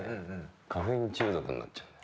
カフェイン中毒になっちゃうんだよ。